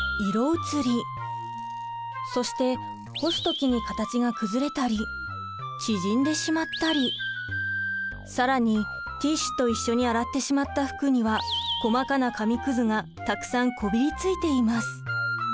そして干す時に形が崩れたり縮んでしまったり更にティッシュと一緒に洗ってしまった服には細かな紙くずがたくさんこびりついています。